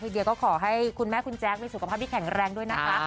เดียก็ขอให้คุณแม่คุณแจ๊คมีสุขภาพที่แข็งแรงด้วยนะคะ